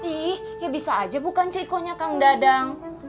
ih ya bisa aja bukan cik iko nya kang dadang